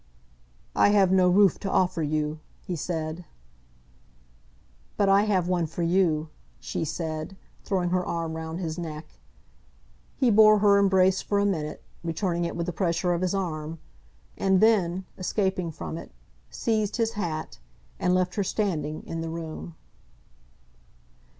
"I have no roof to offer you," he said. "But I have one for you," she said, throwing her arm round his neck. He bore her embrace for a minute, returning it with the pressure of his arm; and then, escaping from it, seized his hat and left her standing in the room.